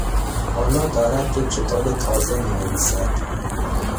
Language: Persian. حالا دارد یک کتاب تازه می نویسد.